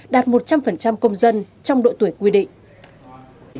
đạt một trăm linh công dân trong độ tuổi quy định